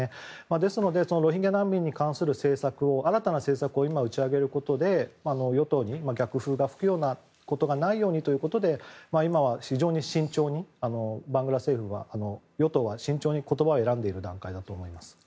ですのでロヒンギャ難民に関する新たな政策を今打ち上げることで与党に逆風が吹くことがないようにということで今は非常に慎重にバングラ政府や与党は慎重に言葉を選んでいる段階だと思います。